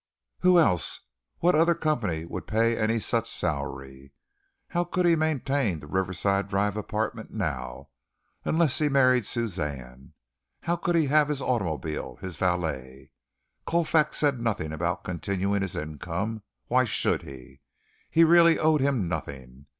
Who else what other company could pay any such salary? How could he maintain the Riverside Drive apartment now, unless he married Suzanne? How could he have his automobile his valet? Colfax said nothing about continuing his income why should he? He really owed him nothing.